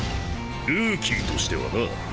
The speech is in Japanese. ルーキーとしてはな。